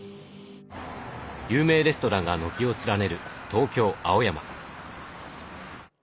有名レストランが軒を連ねる東京青山。